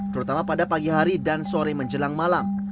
terutama pada pagi hari dan sore menjelang malam